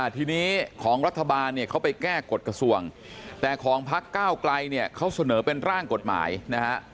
ทีนี้ของรัฐบาลเนี่ยเขาไปแก้กฎกระทรวงแต่ของพักเก้าไกลเนี่ยเขาเสนอเป็นร่างกฎหมายนะฮะ